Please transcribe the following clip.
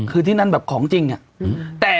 คือที่นั่นแบบของจริงอะ